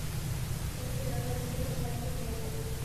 湖水主要靠冰雪融水径流补给。